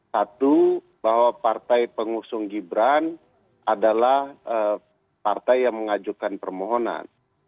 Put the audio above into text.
satu bahwa partai pengusung gibran adalah partai yang mengajukan permohonan